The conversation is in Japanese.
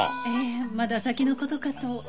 ええまだ先のことかと。